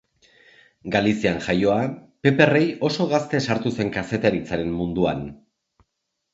Galizian jaioa, Pepe Rei oso gazte sartu zen kazetaritzaren munduan.